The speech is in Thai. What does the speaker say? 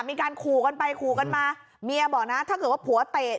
มีการขู่กันไปขู่กันมาเมียบอกนะถ้าเกิดว่าผัวเตะ